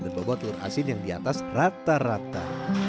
dan berbobot telur asin yang di atas rata rata